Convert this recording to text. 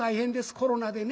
コロナでね。